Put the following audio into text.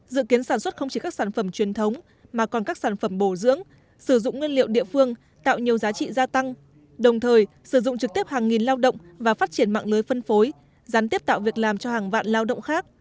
dự kiến sản xuất không chỉ các sản phẩm truyền thống mà còn các sản phẩm bổ dưỡng sử dụng nguyên liệu địa phương tạo nhiều giá trị gia tăng đồng thời sử dụng trực tiếp hàng nghìn lao động và phát triển mạng lưới phân phối gián tiếp tạo việc làm cho hàng vạn lao động khác